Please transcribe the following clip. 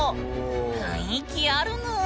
雰囲気あるぬん！